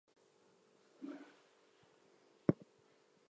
While living in Idaho, he was active in the southeast Idaho climbing community.